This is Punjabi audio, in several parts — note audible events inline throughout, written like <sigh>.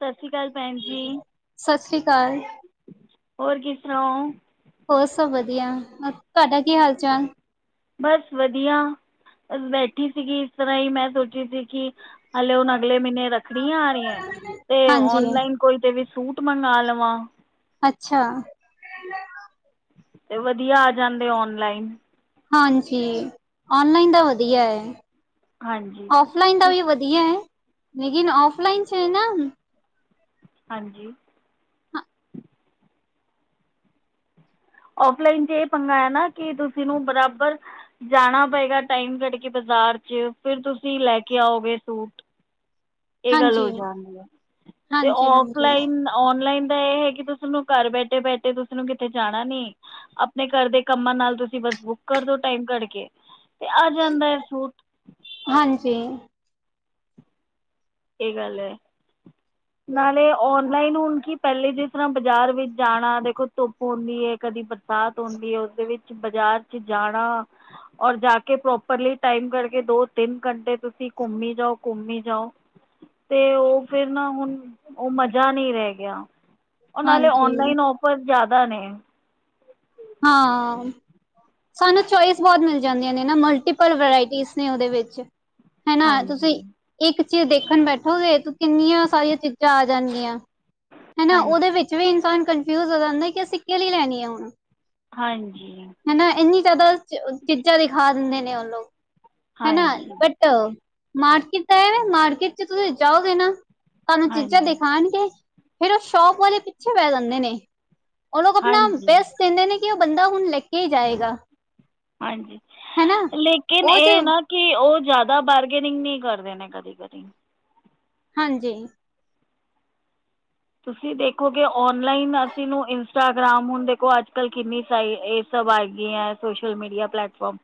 ਸਤਿ ਸ੍ਰੀ ਅਕਾਲ ਭੈਣ ਜੀ ਸਤਿ ਸ੍ਰੀ ਅਕਾਲ, ਹੋਰ ਕੀਸ ਤਰਹ ਔ ਹੋਰਤ ਸਭ ਵਧੀਆ ਤੁਹਾਡਾ ਕੀ ਹਾਲ ਚਾਲ ਬਸ ਵਧੀਆ, ਬੈਠੀ ਸੀਗੀ ਇਸ ਤਰ੍ਹਾਂ ਹੀ ਮੈਂ ਸੋਚ ਰਈ ਸੀ ਕਿ ਹਾਲੇ ਹੁਣ ਅਗਲੇ ਮਹੀਨੇ ਰੱਖੜੀਆਂ ਆ ਰਹੀਆਂ, ਤੇ ਹਾਂਜੀ, ਓਨਲਾਈਨ ਕੋਈ ਤੇ ਵੀ ਸੂਟ ਮੰਗਵਾ ਲਵਾਂ ਅੱਛਾ ਤੇ ਵਧੀਆ ਆ ਜਾਂਦੇ ਔਨਲਾਈਨ ਹਾਂਜੀ ਔਨਲਾਈਨ ਦਾ ਵਧੀਆ ਹੈ ਹਾਂਜੀ ਔਫਲਾਈਨ ਦਾ ਠੀਕ- ਵੀ ਵਧੀਆ ਹੈ, ਲੇਕਿਨ ਔਫਲਾਈਨ ਚ ਹੈ ਨਾ ਹਾਂਜੀ ਔਫਲਾਈਨ ਚ ਇਹ ਪੰਗਾ ਐ ਨਾ ਕਿ ਤੁਸੀਂ ਨੂੰ ਬਰਾਬਰ ਜਾਣਾ ਪਏਗਾ ਟਾਈਮ ਕੱਢ ਕੇ ਬਾਜ਼ਾਰ ਚ, ਫਿਰ ਤੁਸੀਂ ਲੈ ਕੇ ਆਓਗੇ ਸੂਟ ਇਹ ਗੱਲ ਹਾਂਜੀ, ਹੋ ਜਾਂਦੀ ਐ ਤੇ ਹਾਂਜੀ, ਹਾਂਜੀ। ਔਫਲਾਈਨ ਔਨਲਾਈਨ ਦਾ ਇਹ ਹੈ ਕਿ ਤੁੂੰ ਘਰ ਬੈਠੇ ਬੈਠੇ ਤੁਸੀਨੂੰ ਕਿਤੇ ਜਾਣਾ ਨੀ ਆਪਣੇ ਘਰ ਦੇ ਕੰਮਾਂ ਨਾਲ ਤੁਸੀਂ ਬਸ ਬੁੱਕ ਕਰਦੋ ਟਾਈਮ ਕਡ ਕੇ, ਤੇ ਆ ਜਾਂਦਾ ਹੈ ਸੂਟ ਹਾਂਜੀ ਕੀ ਗੱਲ ਹੈ ਨਾਲੇ ਔਨਲਾਈਨ ਹੁਣ ਕੀ ਪਹਿਲੇ ਜਿਸ ਤਰ੍ਹਾਂ ਬਾਜ਼ਾਰ ਵਿੱਚ ਜਾਣਾ, ਦੇਖੋ ਧੁੱਪ ਹੁੰਦੀ ਹੈ ਕਦੀ ਬਰਸਾਤ ਹੁੰਦੀ ਹੈ, ਉਸਦੇ ਵਿੱਚ ਬਾਜ਼ਾਰ ਚ ਜਾਣਾ ਔਰ ਜਾ ਕੇ ਪ੍ਰੋਪਰਲੀ ਟਾਈਮ ਕਰਕੇ ਦੋ ਤਿੰਨ ਘੰਟੇ ਤੁਸੀਂ ਘੁੰਮ ਹੀ ਜਾਓ ਘੁੰਮ ਹੀ ਜਾਓ ਤੇ ਉਹ ਫਿਰ ਨਾ ਹੁਣ ਉਹ ਮਜ਼ਾ ਨਹੀਂ ਰਹਿ ਗਿਆ ਉਹ ਨਾਲੇ ਹਾਂਜੀ, ਓਨਲਾਈਨ ਔਫਰ ਜ਼ਿਆਦਾ ਨੇ ਹਾਂ ਸਾਨੂੰ ਚੋਇਸ ਬਹੁਤ ਮਿਲ ਜਾਂਦੀਆਂ ਨੇ ਨਾ, ਮਲਟੀਪਲ ਵਰਾਇਟੀ ਨੇ ਉਹਦੇ ਵਿੱਚ ਹੈਨਾ ਤੁਸੀਂ ਹਾਂਜੀ ਇੱਕ ਚੀਜ਼ ਦੇਖਣ ਬੈਠੋਗੇ ਤੂੰ ਕਿੰਨੀਆਂ ਸਾਰੀਆਂ ਚੀਜ਼ਾਂ ਆ ਜਾਣਗੀਆਂ ਹੈਨਾ ਹਾਂਜੀ ਉਹਦੇ ਵਿੱਚ ਵੀ ਇਨਸਾਨ ਕਨਫਿਊਜ ਹੋ ਜਾਂਦਾ ਕਿ ਸਿੱਕੇ ਲਈ ਲੈਣੀ ਹੈ ਹੁਣ ਹਾਂਜੀ ਹੈਨਾ ਇੰਨੀ ਜ਼ਿਆਦਾ ਚੀਜ਼ਾਂ ਦਿਖਾ ਦਿੰਦੇ ਨੇ ਉਹ ਲੋਕ ਹੈਨਾ ਹਾਂਜੀ ਬਟ ਮਾਰਕੀਟ ਤਾਂ ਐ ਨਾ, ਮਾਰਕੀਟ ਚ ਤੁਸੀਂ ਜਾਓਗੇ ਨਾ ਤੁਹਾਨੂੰ ਚੀਜ਼ਾਂ ਹਾਂਜੀ ਦਿਖਾਉਣਗੇ, ਫੇਰ ਉਹ ਸ਼ੌਪ ਵਾਲੇ ਪਿੱਛੇ ਪੈ ਜਾਂਦੇ ਨੇ ਉਹ ਲੋਕ ਆਪਣਾ ਹਾਂਜੀ ਬੇਸਟ ਕਹਿੰਦੇ ਨੇ ਕਿ ਉਹ ਬੰਦਾ ਹੁਣ ਲੈ ਕੇ ਹੀ ਜਾਏਗਾ ਹਾਂਜੀ ਹਨਾ ਲੇਕਿਨ ਲਕਿਨ ਉਹ ਚ ਇਹ ਨਾ ਕਿ ਉਹ ਜ਼ਿਆਦਾ ਬਾਰਗੇਨਿੰਗ ਨਹੀਂ ਕਰਦੇ ਨੇ ਕਦੀ ਕਦੀ ਹਾਂਜੀ ਤੁਸੀਂ ਦੇਖੋਗੇ ਔਨਲਾਈਨ, ਅਸੀਂ ਨੂੰ ਇੰਸਟਾਗ੍ਰਾਮ ਹੁਣ ਦੇਖੋ ਅੱਜ ਕੱਲ੍ਹ ਕਿੰਨੀ ਸਾਈ ਸਭ ਆਈ ਗਈਆਂ। ਸੋਸ਼ਲ ਮੀਡੀਆ ਪਲੇੈਟਫਾਰਮ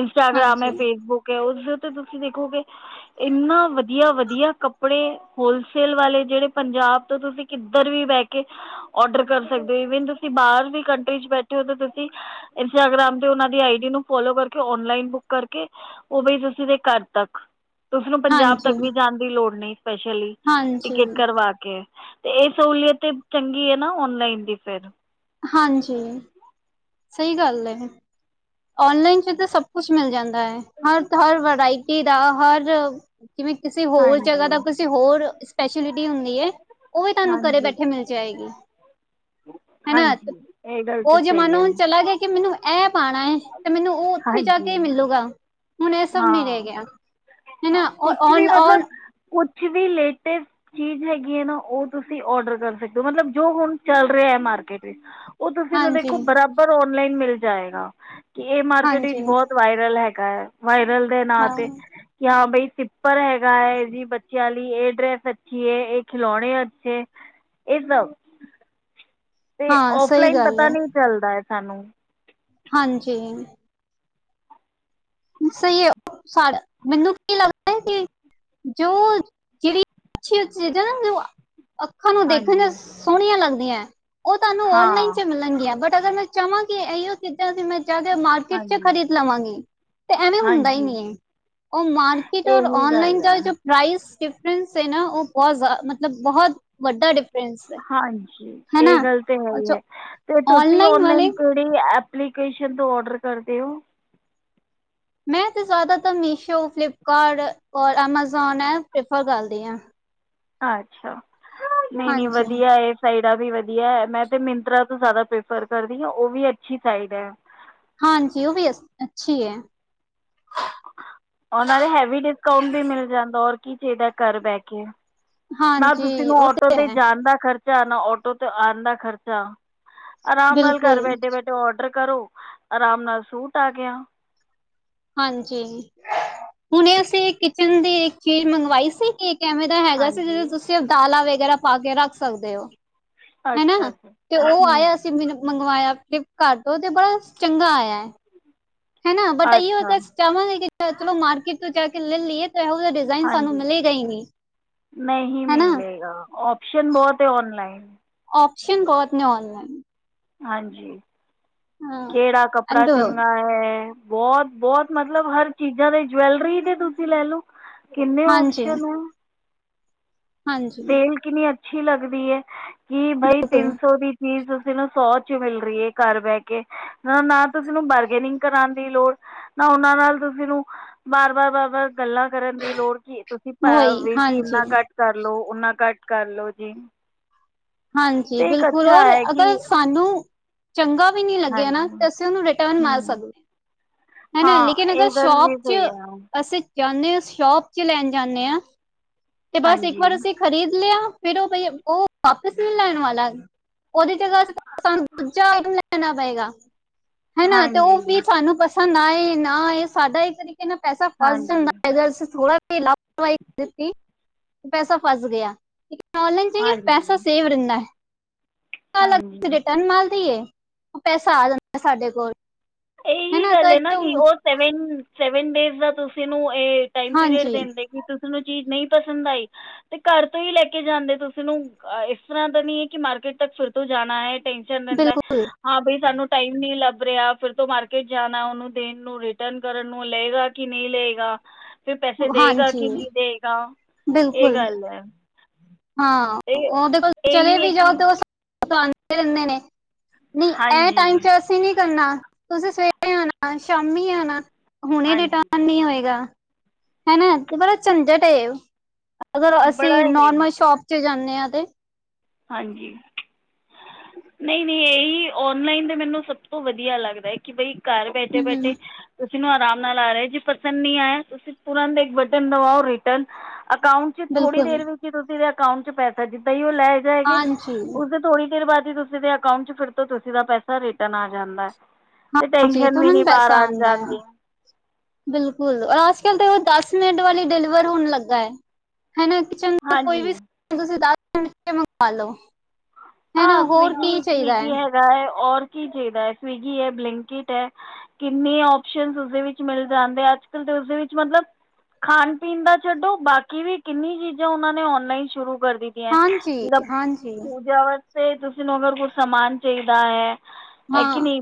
ਇੰਸਟਾਗ੍ਰਾਮ ਹੈ। ਹਾਂਜੀ ਫੇਸਬੁੱਕ ਉਸਦੇ ਉੱਤੇ ਤੁਸੀਂ ਦੇਖੋਗੇ। ਇਨਾ ਵਧੀਆ-ਵਧੀਆ ਕੱਪੜੇ ਹੋਲਸੇਲ ਵਾਲੇ ਜਿਹੜੇ ਪੰਜਾਬ ਤੁਸੀਂ ਕਿੱਧਰ ਵੀ ਬਹਿ ਕੇ ਔਡਰ ਕਰ ਸਕਦੇ ਹੋ। ਵਨ ਤੁਸੀਂ ਬਾਹਰ ਵੀ ਕੰਟਰੀ ਚ ਬੈਠੇ ਹੋ। ਤਾਂ ਤੁਸੀਂ ਇੰਸਟਾਗ੍ਰਾਮ ਤੇ ਉਹ ਦੀ ਆਈ ਡੀ ਨੂੰ ਫੋਲੋ ਕਰਕੇ ਨਲਾਈਨ ਬੁੱਕ ਕਰਕੇ ਉਹ ਬਈ ਤੁਸੀਂ ਦੇ ਘਰ ਤੱਕ ਉਸਨੂੰ ਪੰਜਾਬ ਹਾਂਜੀ ਤੱਕ ਵੀ ਜਾਣ ਦੀ ਲੋੜ ਨਹੀਂ। ਸਪੈਸ਼ਲੀ ਹਾਂਜੀ ਟਿਕਟ ਕਰਵਾ ਕੇ ਤੇ, ਇਹ ਸਹੂਲੀਅਤ ਚੰਗੀ ਹੈ। ਨਾ ਔਨਲਾਈਨ ਦੀ ਫੇਰ ਹਾਂਜੀ। ਸਹੀ ਗੱਲ ਹੈ। ਔਨਲਾਈਨ ਚ ਤਾਂ ਸਭ ਕੁਛ ਮਿਲ ਜਾਂਦਾ। ਹਰ-ਹਰ ਵਰਾਇਟੀ ਦਾ ਹਰ ਜਿਵੇ ਕਿਸੇ ਹੋਰ ਜਗ੍ਹਾ ਹਾਂਜੀ ਦਾ ਹੋਰ ਸਪੈਸ਼ਲਟੀ ਹੁੰਦੀ ਹੈ। ਉਹ ਵੀ ਤੁਹਾਨੂੰ ਘਰੇ ਹਾਂਜੀ ਬੈਠੇ ਮਿਲ ਜਾਏਗੀ ਹਨਾ, ਹਾਂਜੀ ਇਹ ਗੱਲ ਤਾਂ ਉਹ ਸਹੀ ਹੈ ਜਮਾਨੋ ਲੱਗ ਗਿਆ। ਕਿ ਮੈਨੂੰ ਇਹ ਪਾਉਣਾ ਹੈ, ਤੇ ਮੈਨੂੰ ਉਹ ਉੱਥੇ ਜਾ ਕੇ ਹਾਂਜੀ ਮਿਲੂਗਾ ਹੁਣ, ਇਹ ਸਭ ਨਹੀਂੀ ਰਹਿ ਹਾਂ ਗਿਆ ਹਨਾ। ਔਰ ਕੁਛ ਵੀ ਲੇਟ ਚੀਜ਼ ਹੈਗੀ ਹੈ। ਨਾ ਉਹ ਤੁਸੀਂ ਔਡਰ ਕਰ ਸਕਦੇ ਹੋ ਮਤਲਬ ਜੋ ਹੁਣ ਚੱਲ ਰਿਹਾ ਹੈ। ਮਾਰਕੀਟ ਵਿੱਚ ਉਹ ਤੁਸੀਂ ਨੂੰ ਹਾਂਜੀ ਦੇਖੋ ਬਰਾਬਰ ਓਨਲਾਈਨ ਮਿਲ ਜਾਏਗਾ। ਕਿ ਇਹ ਮਾਰਕੀਟ ਵਿੱਚ ਹਾਂਜੀ ਬਹੁਤ ਵਾਇਰਲ ਹੈਗਾ। ਵਾਇਰਲ ਦੇ ਨਾਂ ਹਾਂ ਤੇ ਕਿ ਬਈ ਸਿਪਰ ਹੈਗਾ ਹੈ। ਜੀ ਬੱਚਿਆਂ ਲਈ ਇਹ ਡਰੈਸ ਅੱਛੀ ਹੈ। ਇਹ ਖਿਲੌਣੇ ਅੱਛੇ ਇੱਕਦਮ ਤੇ ਹਾਂ ਸਹੀ ਔਫਲਾਈਨ ਗੱਲ ਹੈ ਪਤਾ ਨੀ ਚੱਲਦਾ ਹੈ। ਸਾਨੂੰ ਹਾਂਜੀ। ਸਹੀ ਹੈ। ਉਹਾ ਮੈਨੂੰ ਕੀ ਲੱਗਦਾ ਕਿ <unintelligible> ਅੱਖਾਂ ਨੂੰ ਦੇਖਣ ਹਾਂਜੀ ਚ ਸੋਹਣੀਆਂ ਲੱਗਦੀਆਂ। ਉਹ ਤੁਹਾਨੂੰ ਹਾਂ ਔਨਲਾਈਨ ਚ ਮਿਲਣਗੀਆਂ। ਬਟ ਅਗਰ ਮੈਂ ਚਵਾਂਗੀ। ਇਹੀਓ ਚੀਜ਼ਾਂ ਸੀ ਮੈਂ ਜਿਆਦਾ ਮਾਰਕੀਟ ਚ ਹਾਂਜੀ ਖਰੀਦ ਲਵਾਂਗੀ। ਤੇ ਐਵੇਂ, ਹੁੰਦਾ ਹੀ ਹਾਂਜੀ ਨਹੀ ਹੈ। ਉਹ ਮਾਰਕੀਟ ਔਰ ਇਹੀ ਗੱਲ ਔਨਲਾਈਨ ਦਾ ਹੈ ਜੋ ਪ੍ਰਾਈਸ ਡਿਫਰੈਂਸ ਹੈ। ਨਾ ਉਹ ਬਹੁਤ ਮਤਲਬ ਬਹੁਤ ਵੱਡਾ ਡਿਫਰੈਂਸ ਹੈ। ਹਾਂਜੀ, ਹਨਾ ਇਹ ਗੱਲ ਤੇ ਹੈ ਹੀ ਅੱਛਾ ਹੈ। ਤੇ ਤੁਸੀਂ ਔਨਲਾਈਨ ਵਾਲੇ ਓਨਲਾਈਨ ਐਪਲੀਕੇਸ਼ਨ ਤੋਂ ਔਡਰ ਕਰਦੇ ਹੋ। ਮੈਂ, ਤਾਂ ਜ਼ਿਆਦਾਤਰ ਮੀਸ਼ੋ ਫਲਿੱਪਕਾਰਟ ਔਰ ਐਮਾਜ਼ੋਨ ਐ ਪ੍ਰੈਫਰ ਕਰਦੀ ਹਾਂ। ਅੱਛਾ, ਨਹੀਂ ਨਹੀਂ, ਹਾਂਜੀ, ਵਧੀਆ। ਸਾਈਡਾਂ ਵੀ ਵਧੀਆ ਹੈ। ਮੈਂ ਤੇ ਮਿੰਤਰਾ ਤੋਂ ਜ਼ਿਆਦਾ ਪ੍ਰੈਫਰ ਕਰਦੀ ਹਾਂ, ਉਹ ਵੀ ਅੱਛੀ ਸਾਈਡ ਹੈ। ਹਾਂਜੀ, ਉਹ ਵੀ ਅੱਛੀ ਹੈ। ਉਹ ਨੇ ਹੈਵੀ ਡਿਸਕਾਊਂਟ ਵੀ ਮਿਲ ਜਾਂਦਾ। ਔਰ ਕੀ ਚਾਹੀਦਾ ਕਰ ਬਹਿ ਕੇ ਨਾ, ਤੁਸੀਂ ਹਾਂਜੀ ਨੂੰ ਉਹ ਆਟੋ ਤੇ ਹੈ ਜਾਣ ਦਾ ਖਰਚਾ ਖਰਾ ਨਾ ਆਟੋ ਤੇ ਆਉਣ ਦਾ ਖਰਚਾ ਆਰਾਮ ਨਾਲ ਘਰ ਬਿਲਕੁਲ ਬੈਠੇ-ਬੈਠੇ ਔਡਰ ਕਰੋ। ਆਰਾਮ ਨਾਲ ਸੂਟ ਆ ਗਿਆ। ਹਾਂਜੀ, ਹੁਣੇ ਅਸੀਂ ਕਿਚਨ ਦੀ ਇੱਕ ਚੀਜ਼ ਮੰਗਵਾਈ ਸੀ। ਕਿ ਕਿ ਐਵੇਂ ਹੈਗਾ ਸੀ। ਜਿ ਹਾਂਜੀ ਤੁਸੀਂ ਦਾਲਾਂ ਵਗੈਰਾ ਪਾ ਕੇ ਰੱਖ ਸਕਦੇ ਹੋ। ਹਨਾ ਅੱਛਾ-ਅੱਛਾ, ਤੇ ਉਹ ਹੂ। ਆਇਆ ਮੰਗਵਾਇਆ ਫਲਿਪਕਾਰਟ ਤੋਂ ਤੇ ਬੜਾ ਚੰਗਾ ਆਇਆ ਹੈ। ਹੈ, ਨਾ ਬਟ ਇਈ ਅੱਛਾ ਅ ਚਾਹਵਾਂਗੇ। ਕਿ ਚਲੋ ਮਾਰਕੇਟ ਤੋਂ ਜਾ ਕੇ ਲੈ ਲਈਏ ਇਹੋ ਜਿਹੇ ਡਿਜ਼ਾਇਨ ਸਾਨੂੰ ਹਾਂਜੀ ਮਿਲੇਗਾ ਨੀ ਹੈਨਾ ਜੀ ਹਾਂ ਉਹ ਟਿਕਸ਼ਨ ਬਹੁਤ ਏ ਔਨਲਾਈਨ ਓਪਸ਼ਨ ਬਹੁਤ ਨੇ ਔਨਲਾਈਨ ਹਾਂਜੀ ਹਾਂ ਕਿਹੜਾ ਕੱਪੜਾ ਐਂਡ ਚੰਗਾ ਐ ਬਹੁਤ ਬਹੁਤ ਮਤਲਬ ਹਰ ਚੀਜ਼ਾਂ ਦੇ ਜਵੈਲਰੀ ਦੀ ਤੁਸੀਂ ਲੈ ਲੋ ਕਿੰਨੇ ਹਾਂਜੀ ਓਪਸ਼ਨ ਐਂ ਹਾਂਜੀ ਸੇਲ ਕਿੰਨੀ ਅੱਛੀ ਲੱਗਦੀ ਹੈ ਕਿ ਭਾਈ ਬਿਲਕੁਲ ਤਿੰਨ ਸੌ ਦੀ। ਫੀਸ ਅਸੀਂ ਨੂੰ ਸੌ 'ਚ ਮਿਲ ਰਹੀ ਏ ਘਰ ਬਹਿ ਕੇ। ਨਾ, ਨਾ ਤੁਸੀਂ ਬਾਰਗੇਨਿੰਗ ਕਰਾਉਣ ਦੀ ਲੋੜ ਨਾ ਉਹਨਾਂ ਨਾਲ ਤੁਸੀਂ ਨੂੰ ਬਾਰ, ਬਾਰ, ਬਾਰ, ਬਾਰ ਗੱਲਾਂ ਕਰਨ ਦੀ ਲੋੜ ਕਿ ਤੁਸੀਂ ਭਾ ਵਹੀ ਵੀਰ ਜੀ ਹਾਂਜੀ ਇੰਨਾ ਘੱਟ ਕਰਲੋ ਓਨਾ ਘੱਟ ਕਰਲੋ ਜੀ। ਹਾਂਜੀ ਅਤੇ ਇੱਕ ਬਿਲਕੁਲ ਅੱਛਾ ਹੋਰ ਹੈ ਅਗਰ ਕਿ ਸਾਨੂੰ ਚੰਗਾ ਵੀ ਨਹੀਂ ਲੱਗਿਆ ਹਾਂਜੀ ਨਾ, ਤੇ ਅਸੀਂ ਉਹਨੂੰ ਰਿਟਰਨ ਮਾਰ ਹੂੰ ਸਕਦੇਂ। ਹੈਨਾ, ਹਾਂ ਲੇਕਿਨ ਇਹ ਅਗਰ ਗੱਲ ਵੀ ਸ਼ੋਪ 'ਚ ਸਹੀ ਆ ਅਸੀਂ ਜਾਂਦੇ ਹਾਂ ਸ਼ੋਪ 'ਚ ਲੈਣ ਜਾਂਦੇ ਹਾਂ। ਤੇ ਬਸ ਇੱਕ ਹਾਂਜੀ ਵਾਰੀ ਅਸੀਂ ਖਰੀਦ ਲਿਆ ਫੇਰ ਉਹ, ਉਹ ਵਾਪਿਸ ਨਹੀਂ ਲੈਣ ਵਾਲਾ। ਉਹਦੀ ਜਗਾ ਸਾਨੂੰ ਦੂਜਾ ਆਈਟਮ ਲੈਣਾ ਪਏਗਾ। ਹਨਾ ਤੇ ਹਾਂਜੀ ਉਹ ਵੀ ਸਾਨੂੰ ਪਸੰਦ ਆਏ ਨਾ ਆਏ ਇਹ ਸਾਡਾ ਇੱਕ ਤਰੀਕੇ ਨਾਲ ਪੈਸਾ ਫਸ ਹਾਂਜੀ ਜਾਂਦਾ ਥੋੜਾ ਤੇ ਲਾਪਰਵਾਹੀ ਦਿੱਤੀ। ਤੇ ਪੈਸਾ ਫਸ ਗਿਆ, ਇਕ ਔਨਲਾਈਨ ਜਾਈਏ ਹਾਂਜੀ <unintelligible> ਜੇਕਰ ਹਾਂਜੀ ਕੋਈ ਰਿਟਰਨ ਮਾਰ ਦਈਏ, ਤੇ ਪੈਸਾ ਆ ਜਾਂਦਾ ਸਾਡੇ ਕੋਲ। ਇਹੀ ਹੈਨਾ ਗੱਲ ਤਾਂ ਹੈ ਨਾ ਜੋ ਕਿ ਉਹ ਸੈਵਨ, ਸੈਵਨ ਡੇਜ਼ ਦਾ ਤੁਸੀਂ ਨੂੰ ਏ ਟਾਈਮ ਪੀਰੀਅਡ ਹਾਂਜੀ ਦੇੰਦੇ ਕਿ ਤੁਸੀ ਨੂੰ ਚੀਜ਼ ਨਹੀਂ ਪਸੰਦ ਆਈ ਤੇ ਘਰ ਤੋਂ ਹੀ ਲੈ ਕੇ ਜਾਂਦੇ ਤੁਸੀਂ ਨੂੰ ਇਸ ਤਰ੍ਹਾਂ ਨੀ ਹੈ ਕਿ ਮਾਰਕੀਟ ਤੱਕ ਫਿਰ ਤੋਂ ਜਾਣਾ ਏ ਟੈਂਸ਼ਨ ਰਹਿੰਦਾ ਹੈ, ਬਿਲਕੁਲ ਹਾਂ ਬਈ ਸਾਨੂੰ ਟਾਈਮ ਨੀ ਲੱਭ ਰਿਹਾ। ਫੇਰ ਤੋਂ ਮਾਰਕੀਟ ਜਾਣਾ, ਉਹਨੂੰ ਦੇਣ ਨੂੰ ਰਿਟਰਨ ਕਰਨ ਨੂੰ, ਲਏਗਾ ਕਿ ਨਹੀਂ ਲਏਗਾ? ਫੇਰ ਪੈਸੇ ਦੇਗਾ ਕਿ ਹਾਂਜੀ ਨਹੀਂ ਦੇਗਾ? ਇਹ ਬਿਲਕੁਲ ਗੱਲ ਹੈ। ਹਾਂ ਇਹ ਉਹਦੇ ਕੋਲ ਚਲੇ ਇਹੀ ਹੈ ਵੀ ਕਿ ਜਾਓ ਤੋ ਤੁਹਾਨੂੰ ਦੇਂਦੇ ਨੇ ਨਹੀਂ ਏ ਟਾਈਮ ਹਾਂਜੀ 'ਚ ਤੁਸੀਂ ਨੀ ਕਰਨਾ। ਤੁਸੀਂ ਸਵੇਰੇ ਆਣਾ, ਸ਼ਾਮੀ ਆਉਣਾ ਹੁਣੇ ਹਾਂਜੀ ਰਿਟਰਨ ਨੀ ਹੋਏਗਾ। ਹੈਨਾ, ਤੇ ਬੜਾ ਝੰਝਟ ਏ। ਅਗਰ ਬੜਾ ਅਸੀਂ ਹੀ ਨੋਰਮਲ ਸ਼ੋਪ 'ਚ ਜਾਂਦੇ ਹਾਂ ਤੇ। ਹਾਂਜੀ। ਨਹੀ, ਨਹੀ। ਇਹੀ ਔਨਲਾਈਨ ਤੇ ਮੈਨੂੰ ਸਭ ਤੋਂ ਵਧੀਆ ਲੱਗਦਾ ਕਿ ਬਈ ਘਰ ਬੈਠੇ ਹੂੰ ਹੂੰ ਬੈਠੇ ਤੁਸੀਂ ਨੂੰ ਆਰਾਮ ਨਾਲ ਆ ਰਹੇ ਸੀ ਪਸੰਦ ਨਹੀਂ ਆਇਆ ਤੁਸੀਂ ਤੁਰੰਤ ਇੱਕ ਬਟਨ ਦਵਾਓ ਰਿਟਰਨ। ਅਕਾਊਂਟ ਥੋੜੀ ਬਿਲਕੁਲ ਦੇਰ ਵਿੱਚ ਹੀ ਤੁਸੀਂ ਦੇ ਅਕਾਊਂਟ 'ਚ ਪੈਸਾ। ਜਿੱਦਾਂ ਹੀ ਉਹ ਲੈ ਜਾਏਗੇ ਹਾਂਜੀ ਉਸਦੇ ਥੋੜੀ ਦੇਰ ਬਾਦ ਹੀ ਤੁਸੀਂ ਦੇ ਅਕਾਊਂਟ 'ਚ ਫੇਰ ਤੋਂ ਤੁਸੀਂ ਦਾ ਪੈਸਾ ਰਿਟਰਨ ਆ ਜਾਂਦਾ ਤੇ ਜੀ ਟੈਨਸ਼ਨ ਵੀ ਨੀ ਤੁਰੰਤ ਬਾਹਰ ਪੈਸਾ ਆਣ ਆਉਂਦਾ ਜਾਣ ਆ ਦੀ। ਬਿਲਕੁਲ, ਔਰ ਅੱਜ ਕਲ ਤੇ ਉਹ ਦਸ ਮਿੰਟ ਵਾਲੀ ਡਿਲੀਵਰ ਹੋਣ ਲੱਗਾ ਹੈਨਾ, ਕਿੱਚਨ ਦਾ ਕੋਈ ਵੀ ਹਾਂਜੀ ਸਮਾਨ ਤੁਸੀ ਦਸ ਮਿੰਟ 'ਚ ਮੰਗਾ ਲੋ। ਹਾਂ ਸਵੀਗੀ, ਸਵੀਗੀ ਹੈਗਾ ਹੈ ਔਰ ਕੀ ਚਾਹੀਦਾ ਏ। ਸਵੀਗੀ ਹੈ, ਬਲਿੰਕਿੱਟ ਹੈ ਕਿੰਨੇ ਓਪਸ਼ਨ ਓਹਦੇ ਵਿਚ ਮਿਲ ਜਾਂਦੇ, ਅੱਜਕਲ ਤਾਂ ਉਸਦੇ ਵਿਚ ਮਤਲਬ ਖਾਣ ਪੀਨ ਦਾ ਛੱਡੋ, ਬਾਕੀ ਵੀ ਕਿੰਨੀ ਚੀਜ਼ਾਂ ਉਹਨਾਂ ਨੇ ਆਨਲਾਈਨ ਸ਼ੁਰੂ ਕਰ ਦੀ ਜੀ ਹੈ ਹਾਂਜੀ, ਜਿਦਾਂ ਹਾਂਜੀ, ਪੂਜਾ ਵਾਸਤੇ ਤੁਸੀਂ ਨੂੰ ਅਗਰ ਕੁਛ ਸਮਾਨ ਚਾਹੀਦਾ ਐ ਹੈ ਹਾਂ, ਕਿ ਨਈ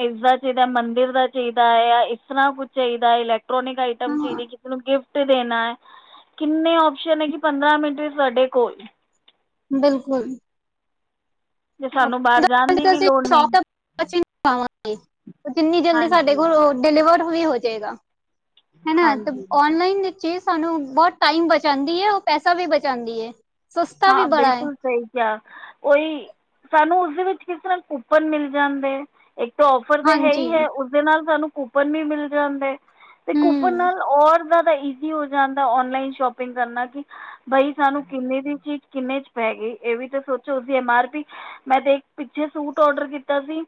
ਇਸਦਾ ਚਾਹੀਦਾ, ਮੰਦਿਰ ਦਾ ਚਾਹੀਦਾ ਹੈ ਇਸ ਤਰ੍ਹਾਂ ਕੁੱਛ ਚਾਹੀਦਾ ਇਲ ਇਲੈਕਟ੍ਰੌਨਿਕ ਆਈਟਮ ਹਾਂ ਚਾਹੀਦੀ ਕਿਸੀ ਨੂੰ ਗਿਫ਼ਟ ਗਿਫ਼ਟ ਦੇਣਾ ਹੈ ਕਿੰਨੇ ਓਪਸ਼ਨ ਹੈ ਕਿ ਪੰਦਰਾਂ ਮਿੰਟ ਵਿਚ ਸਾਡੇ ਕੋਲ ਬਿਲਕੁਲ। ਅਤੇ ਸਾਨੂੰ ਬਾਹਰ ਜਾਣ ਦੀ <inaudible> ਵੀ ਲੋੜ ਨਹੀਂ ਜਿੰਨੀ ਜਲਦੀ ਸਾਡੇ ਹਾਂਜੀ ਕੋਲ ਓਹ ਡਿਲੀਵਰ ਵੀ ਹੋ ਜਾਏਗਾ ਹਨਾ, ਤੇ ਹਾਂਜੀ ਔਨਲਾਈਨ ਚੀਜ਼ ਸਾਨੂੰ ਬੌਤ ਟਾਈਮ ਬਚਾਉਂਦੀ ਹੈ ਉਹ ਪੈਸਾ ਵੀ ਬਚਾਉਂਦੀ ਹੈ ਸਸਤਾ ਵੀ ਬੜਾ ਹੈ। ਯਾ ਉਹੀ ਸਾਨੂੰ ਉਸਦੇ ਵਿੱਚ ਕਿਸ ਤਰ੍ਹਾਂ ਕੂਪਨ ਮਿਲ ਜਾਂਦੇ। ਇੱਕ ਤਾ ਔਫਰ ਤੇ ਹੈ ਹਾਂਜੀ ਹੀ ਹੈ ਉਸਦੇ ਨਾਲ ਸਾਨੂੰ ਕੂਪਨ ਵੀ ਮਿਲ ਜਾਂਦੇ। ਤੇ ਕੂਪਨ ਹੂੰ ਨਾਲ ਔਰ ਜਾਦਾ ਈ ਜੀ ਹੋ ਜਾਂਦਾ ਔਨਲਾਈਨ ਸ਼ੋਪਿੰਗ ਕਰਨਾ ਕਿ ਬਈ ਸਾਨੂੰ ਕਿੰਨੇ ਦੀ ਚੀਜ਼ ਕਿੰਨੇ ਚ ਪੈ ਗੀ ਇਹ ਵੀ ਤੇ ਸੋਚੋ ਉਸਦੀ ਐਮ ਆਰ ਪੀ ਮੈਂ ਤੇ ਪਿੱਛੇ ਇਕ ਸੂਟ ਓਡਰ ਕੀਤਾ ਸੀ।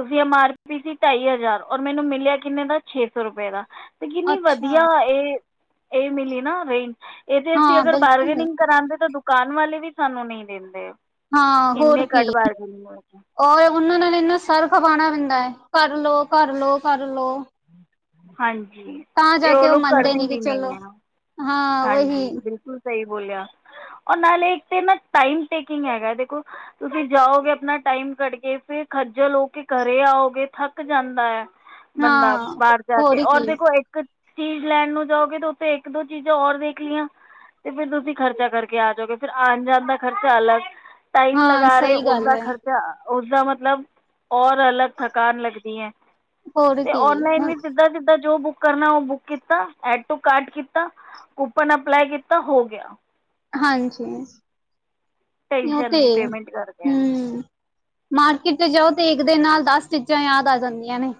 ਉਸਦੀ ਐਮ ਆਰ ਪੀ ਸੀ ਢਾਈ ਹਜ਼ਾਰ ਔਰ ਮੈਨੂੰ ਮਿਲਿਆ ਕਿੰਨੇ ਦਾ ਛੇ ਸੌ ਰੁਪਏ ਦਾ। ਤੇ ਕਿੰਨੀ ਅੱਛਾ ਵਧੀਆ ਇਹ-ਇਹ ਮਿਲੀ ਨਾ ਰੇਂਜ ਇਹਦੇ ਇਚ ਹਾਂ ਅਗਰ ਬਿਲਕੁਲ ਬਾਰਗਨਿੰਗ ਕਰਾਂਦੇ ਤਾਂ ਦੁਕਾਨ ਵਾਲੇ ਵੀ ਸਾਨੂੰ ਨਈ ਦਿੰਦੇ ਹਾਂ ਹੋਰ ਇੰਨੇ ਘੱਟ ਕੀ ਬਾਰਗੈਨਿਕ ਵਿੱਚ। ਔਰ ਉਹਨਾਂ ਨਾਲ ਇੰਨਾ ਸਰ ਖਪਾਨਾ ਪੈਂਦਾ ਕਰ ਲੋ-ਕਰ ਲੋ ਕਰ ਲੋ। ਹਾਂਜੀ ਤਾਂ ਤੇ ਜਾ ਉਹ ਕੇ ਲੋਕ ਮੰਨਦੇ ਕਰਦੇ ਨੀ ਕਿ ਵੀ ਨਈ ਚਲੋ ਹੈ। ਹਾਂ ਉਹੀ ਹਾਂਜੀ ਬਿਲਕੁਲ ਸਹੀ ਬੋਲਿਆ ਔਰ ਨਾਲੇ ਇੱਕ ਤਾਂ ਨਾ ਟਾਈਮ ਟੇਕਿੰਗ ਹੈਗਾ ਦੇਖੋ ਤੁਸੀਂ ਜਾਓਗੇ ਆਪਣਾ ਟਾਈਮ ਕੱਢ ਕੇ ਫੇਰ ਖੱਜਲ ਹੋ ਕੇ ਘਰੇ ਆਓਗੇ ਥੱਕ ਜਾਂਦਾ ਬੰਦਾ ਹਾਂ, ਬਾਰ ਜਾ ਕੇ ਹੋਰ ਔਰ ਕੀ ਦੇਖੋ ਇੱਕ ਚੀਜ਼ ਲੈਣ ਨੂੰ ਜਾਓਗੇ ਤੇ ਉੱਥੇ ਇੱਕ ਦੋ ਚੀਜ਼ਾਂ ਔਰ ਵੇਖ ਲਈਆ ਤੇ ਫਿਰ ਤੁਸੀਂ ਖਰਚਾ ਕਰਕੇ ਆ ਜਾਓਗੇ ਫਿਰ ਆਉਣ ਜਾਣ ਦਾ ਖਰਚਾ ਅਲੱਗ। ਟਾਈਮ ਹਾਂ ਲਗਾ ਰਹੇ ਸਹੀ ਗੱਲ ਉਸਦਾ ਹੈ। ਖ਼ਰਚਾ ਉਸਦਾ ਮਤਲਬ ਔਰ ਅਲੱਗ ਥਕਾਨ ਲੱਗਦੀ ਹੈ। ਹੋਰ ਤੇ ਕੀ ਔਨਲਾਈਨ ਵੀ ਹੁਣ ਸਿੱਧਾ-ਸਿੱਧਾ ਜੋ ਬੁੱਕ ਕਰਨਾ ਉਹ ਬੁੱਕ ਕੀਤਾ ਐਡ ਟੂ ਕਾਰਡ ਕੀਤਾ ਕੂਪਨ ਅਪਲਾਈ ਕੀਤਾ ਹੋ ਗਿਆ। ਹਾਂਜੀ ਨਈ ਉਹ ਟੈਨਸ਼ਨ ਤੇ ਨਹੀਂ ਐ ਪੇਮੈਂਟ ਕਰਦੇ ਹਾਂ ਹਮ। ਮਾਰਕੀਟ ਚ ਜਾਓ ਤੇ ਇੱਕ ਦੇ ਨਾਲ ਦਸ ਚੀਜ਼ਾ ਯਾਦ ਆ ਜਾਂਦੀਆ ਨੇ।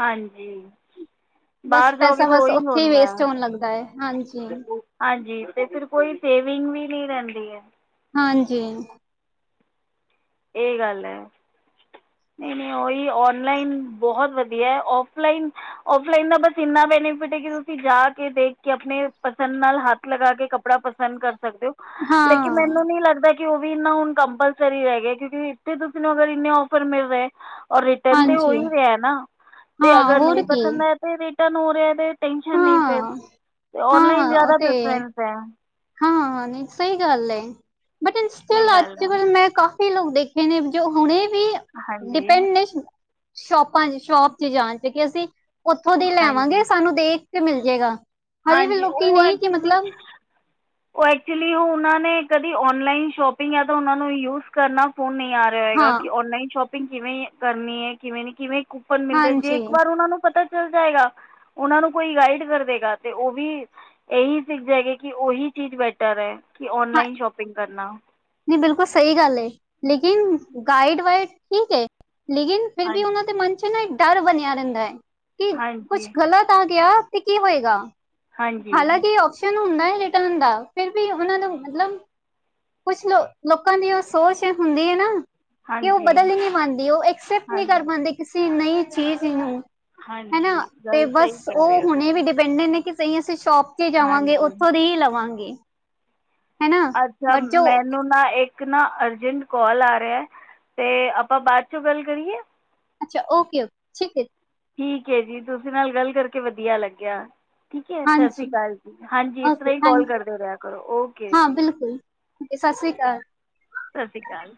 ਹਾਂਜੀ ਬਸ ਬਾਰ ਜਾਓ ਗੇ ਪੈਸਾ ਤੇ ਬਸ ਉਹੀ ਉੱਥੇ ਹੀ ਹੁੰਦਾ। ਵੇਸਟ ਹੋਣ ਲੱਗਦਾ ਹੈ ਹਾਂਜੀ। ਹਾਂਜੀ ਤੇ ਫਿਰ ਕੋਈ ਸੇਵਿੰਗ ਵੀ ਨੀ ਰਹਿੰਦੀ ਹੈ। ਹਾਂਜੀ ਏੇ ਗੱਲ ਐ। ਨਈ-ਨਈ ਓਹੀ ਔਨਲਾਈਨ ਬੋਹਤ ਵਧੀਆ ਔਫਲਾਈਨ ਓਫਲਾਈਨ ਦਾ ਬਸ ਇੰਨਾ ਬੈਨੀਫਿਟ ਹੈ ਕਿ ਤੁਸੀਂ ਜਾ ਕੇ ਦੇਖ ਕੇ ਆਪਣੇ ਪਸੰਦ ਨਾਲ ਹੱਥ ਲਗਾ ਕੇ ਕੱਪੜਾ ਪਸੰਦ ਕਰ ਸਕਦੇ ਹੋ ਲੇਕਿਨ ਹਾਂ, ਮੈਨੂੰ ਨੀ ਲੱਗਦਾ ਕਿ ਉਹ ਵੀ ਇਨਾ ਹੁਣ ਕੰਪਲਸਰੀ ਰਹਿ ਗਿਆ ਕਿਉਂਕਿ ਇੱਥੇ ਤੁਸੀਂ ਨੂੰ ਅਗਰ ਇੰਨੇ ਔਫਰ ਮਿਲ ਰਹੇ ਔਰ ਰਿਟਰਨ ਤੇ ਹੋ ਹਾਂਜੀ ਹੀ ਰਿਹਾ ਨਾ ਤੇ ਹਾਂ ਅਗਰ ਨਹੀ ਹੋਰ ਕੀ ਪਸੰਦ ਹੈ ਤੇ ਰਿਟਰਨ ਹੋ ਰਿਹਾ ਤੇ ਟੈਂਸ਼ਨ ਨਈ ਫੇਰ ਹਾਂ, ਔਨਲਾਈਨ ਹਾਂ ਉਹ ਜਾਦਾ ਤੇ ਪ੍ਰੀਫਰੈਂਸ ਹੈ। ਹਾਂ ਨਈ ਸਹੀ ਗੱਲ ਏ ਬਟ ਇਨ ਸਟਿਲ ਇਹ ਗੱਲ ਅੱਜ ਹੈ ਮੈਂ ਕਾ ਫੀ ਲੋਕ ਦੇਖੇ ਨੇ ਜੋ ਹੁਣੇ ਵੀ ਹਾਂਜੀ ਡਿਪੈਂਡ ਨੇ ਸ਼ੋਪ ਹਾਂਜੀ ਸ਼ੋਪ ਚ ਜਾਣ ਚ ਕੇ ਅਸੀਂ ਉਥੋਂ ਦੀ ਹਾਂਜੀ ਲੈਵਾਂਗੇ ਸਾਨੂੰ ਦੇਖ ਕੇ ਮਿਲ ਜੇਗਾ। ਹਜੇ ਵੀ ਹਾਂਜੀ ਲੋਕੀ ਨਈ ਕਿ ਮਤਲਬ ਉਹ ਐਕਚੁਲੀ ਉਹ ਉਹਨਾਂ ਨੇ ਕਦੀ ਔਨਲਾਈਨ ਸ਼ੋਪਿੰਗ ਆ ਤਾਂ ਉਹਨਾਂ ਨੂੰ ਯੂਜ ਕਰਨਾ ਫੋਨ ਨਈ ਆ ਰਿਹਾ ਹੈਗਾ, ਹਾਂ ਕਿ ਔਨਲਾਈਨ ਸ਼ੋਪਿੰਗ ਕਿਵੇਂ ਕਰਨੀ ਹੈ, ਕਿਵੇਂ ਨੀ ਕਿਵੇਂ ਕੂਪਨ ਮਿਲਦੇ, ਜੇ ਹਾਂਜੀ ਇੱਕ ਵਾਰ ਓਹਨਾਂ ਨੂੰ ਪਤਾ ਚੱਲ ਜਾਏਗਾ, ਓਨਾ ਨੂੰ ਕੋਈ ਗਾਈਡ ਕਰ ਦੇਗਾ। ਤੇ ਓ ਵੀ ਏਹੀ ਸਿੱਖ ਜਾਏਗੀ, ਕਿ ਓਹੀ ਚੀਜ਼ ਬੈਟਰ ਹੈ। ਕਿ ਹਾਂ ਔਨਲਾਈਨ ਸ਼ੋਪਿੰਗ ਕਰਨਾ। ਨਹੀਂ ਬਿਲਕੁਲ ਸਹੀ ਗੱਲ ਹੈ, ਲੇਕਿਨ ਗਾਈਡ ਵਾਈਡ ਠੀਕ ਹੈ। ਲੇਕਿਨ ਫੇਰ ਵੀ ਓਨਾਂ ਹਾਂਜੀ ਦੇ ਮਨ 'ਚ ਨਾ, ਇੱਕ ਡਰ ਬਣਿਆ ਰਹਿੰਦਾ ਹੈ। ਕਿ ਹਾਂਜੀ ਕੁਛ ਗ਼ਲਤ ਆ ਗਿਆ। ਤੇ ਕੀ ਹੋਏਗਾ। ਹਾਂਜੀ ਹਾਲਾਂਕਿ ਔਪਸ਼ਨ ਹੁੰਦਾ ਹੈ, ਰਿਟਰਨ ਦਾ, ਫੇਰ ਵੀ ਓਨਾਂ ਨੂੰ ਮਤਲਬ ਕੁਛ ਲੋ ਲੋਕਾਂ ਦੀ, ਓ ਸੋਚ ਹੁੰਦੀ ਹੈ ਨਾ। ਕਿ ਓ ਹਾਂਜੀ ਬਦਲ ਈ ਨੀ ਪਾਂਦੀ, ਓ ਐਕਸੈਪਟ ਨੀ ਕਰ ਹਾਂਜੀ ਪਾਂਦੇ, ਕਿਸੇ ਨਈ ਚੀਜ਼ ਨੂੰ ਹਾਂਜੀ, ਗੱਲ ਸਹੀ ਕੈਹ ਰਹੇ ਓ ਤੁਸੀਂ। ਕੈਹਂਦੇ ਨੇ ਕਿ ਸਹੀ, ਅਸੀਂ ਸ਼ੋਪ ਚ ਜਾਵਾਂਗੇ, ਹਾਂਜੀ ਉੱਥੋਂ ਦੀ ਹੀ ਲਵਾਂਗੇ ਹੈਨਾ। ਅੱਛਾ, ਮੈਨੂੰ ਇੱਕ ਨਾ ਅਰਜੈਂਟ ਕੌਲ ਆ ਰਿਹਾ, ਤੇ ਆਪਾਂ ਬਾ ਚੋਂ ਗੱਲ ਕਰੀਏ। ਅੱਛਾ, ਓਕੇ-ਓਕੇ ਠੀਕ। ਠੀਕ ਏ ਜੀ, ਤੁਸੀਂ ਨਾਲ ਗੱਲ ਕਰਕੇ ਵਧੀਆ ਲੱਗਿਆ। ਠੀਕ ਹੈ, ਸਤਿ ਸ੍ਰੀ ਹਾਂਜੀ ਅਕਾਲ ਜੀ ਹਾਂਜੀ, ਏਸ ਓਕੇ ਤਰ੍ਹਾਂ ਹੀ ਕੌਲ ਥੈਂਕ ਯੂ ਕਰਦੇ ਰਿਹਾ ਕਰੋ, ਓਕੇ। ਬਿਲਕੁਲ। ਸਸ ਸ਼੍ਰੀ ਅਕਾਲ। ਸਸ ਸ਼੍ਰੀ ਅਕਾਲ।